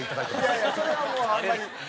いやいやそれはもうあんまり。